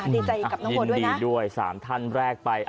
ดีใจกับน้องโหดด้วยนะยินดีด้วย๓ท่านแรกไป